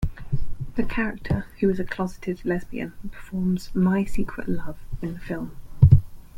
The character, who is a closeted lesbian, performs "My Secret Love" in the film.